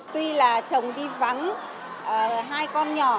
tuy là chồng đi vắng hai con nhỏ